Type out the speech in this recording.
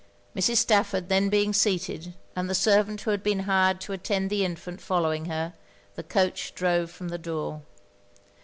Mrs. Stafford being then seated, and the servant who had been hired to attend the infant following her, the coach drove from the door.